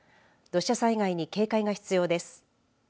土砂災害に警戒が必要です。